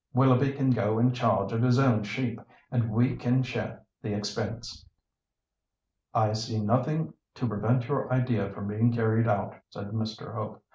Willoughby can go in charge of his own sheep, and we can share the expense." "I see nothing to prevent your idea from being carried out," said Mr. Hope.